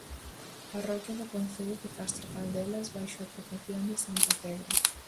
Parroquia do concello de Castro Caldelas baixo a advocación de santa Tegra.